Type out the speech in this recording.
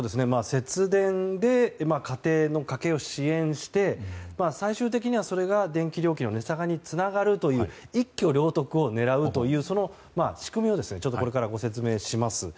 節電で家庭の家計を支援して最終的にはそれが電気料金の値下がりにつながるという一挙両得を狙うという仕組みをこれからご説明します。